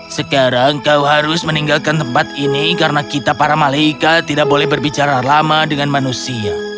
sekarang kau harus meninggalkan tempat ini karena kita para malaikat tidak boleh berbicara lama dengan manusia